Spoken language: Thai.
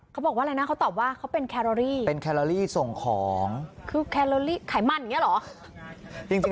ถ้ามีแม็กซ์อยู่มีแม็กซ์ของจริงอยู่